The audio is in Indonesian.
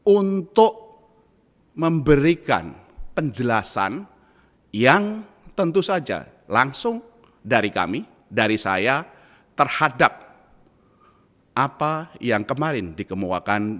untuk memberikan penjelasan yang tentu saja langsung dari kami dari saya terhadap apa yang kemarin dikemukakan